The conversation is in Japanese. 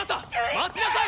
待ちなさい！